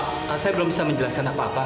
saya belum bisa menjelaskan apa apa